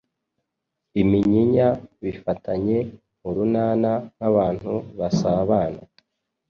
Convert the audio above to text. iminyinya bifatanye urunana nk’abantu basabana.